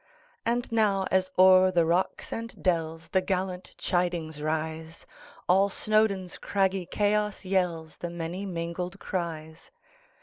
And now, as o'er the rocks and dellsThe gallant chidings rise, All Snowdon's craggy chaos yellsThe many mingled cries!